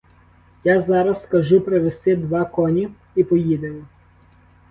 Я зараз скажу привести два коні і поїдемо!